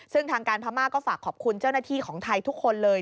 ซึ่งทางการพม่าก็ฝากขอบคุณเจ้าหน้าที่ของไทยทุกคนเลย